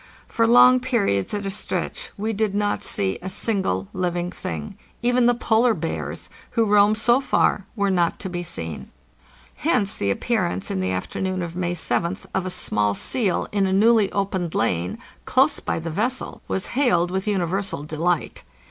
For long periods at a stretch we did not see a single living thing; even the polar bears, who roam so far, were not to be seen. Hence the appearance in the afternoon of May 7th of a small seal in a newly opened lane, close by the vessel, was hailed with uni versal delight.